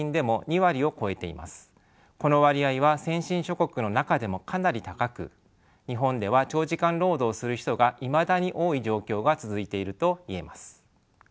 この割合は先進諸国の中でもかなり高く日本では長時間労働をする人がいまだに多い状況が続いていると言えます。